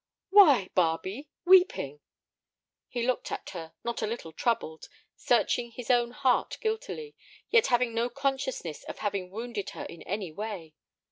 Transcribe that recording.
"Why, Barbe—weeping!" He looked at her, not a little troubled, searching his own heart guiltily, yet having no consciousness of having wounded her in any way.